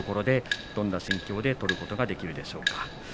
どんな心境で相撲を取ることができるでしょうか。